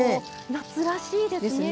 夏らしいですね。